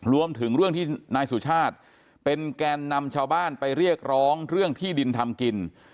รวมถึงเรื่องที่นายสุชาติเป็นแกนนำชาวบ้านไปเรียกร้องเรื่องที่ดินทำกิน